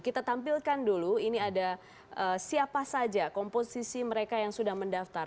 kita tampilkan dulu ini ada siapa saja komposisi mereka yang sudah mendaftar